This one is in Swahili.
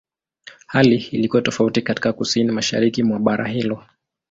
Hali ilikuwa tofauti katika Kusini-Mashariki mwa bara hilo.